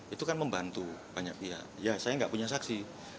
itu kan membantu banyak pihak ya saya nggak punya saksi